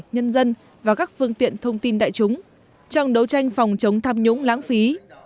nhân dân và các phương tiện thông tin đại chúng trong đấu tranh phòng chống tham nhũng lãng phí